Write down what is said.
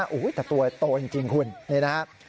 โอ้โหแต่ตัวโตจริงคุณนี่นะครับ